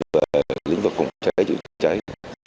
về lĩnh vực phòng cháy chữa cháy